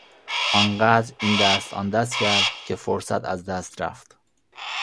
آنقدر این دست آن دست کرد که فرصت از دست رفت.